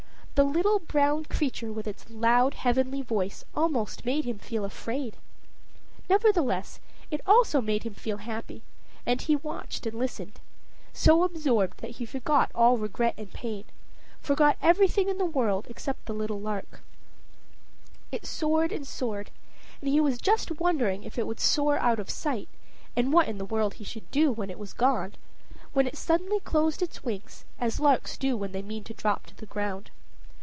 The little brown creature with its loud heavenly voice almost made him afraid. Nevertheless, it also made him happy; and he watched and listened so absorbed that he forgot all regret and pain, forgot everything in the world except the little lark. It soared and soared, and he was just wondering if it would soar out of sight, and what in the world he should do when it was gone, when it suddenly closed its wings, as larks do when they mean to drop to the ground.